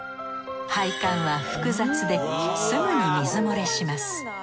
配管は複雑ですぐに水漏れします。